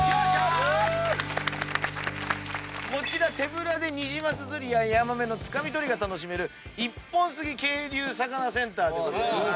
こちら手ぶらでニジマス釣りやヤマメのつかみ取りが楽しめる一本杉渓流魚センターでございます。